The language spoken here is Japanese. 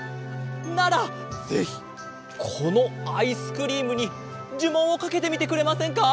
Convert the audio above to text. ならぜひこのアイスクリームにじゅもんをかけてみてくれませんか？